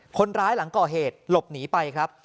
คนร้ายหลังก่อเหตุหลบหนีไปครับ